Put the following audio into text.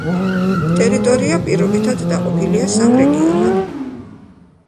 ტერიტორია პირობითად დაყოფილია სამ რეგიონად.